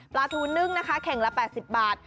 ปลาทูนึ่งนะคะแข่งละ๘๐บาท